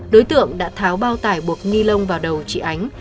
đối tượng đã tháo bao tải buộc nghi lông vào đầu chị ánh